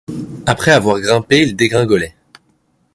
Après avoir grimpé, il dégringolait.